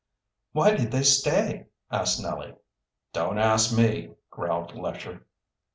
"Why did they stay?" asked Nellie. "Don't ask me," growled Lesher.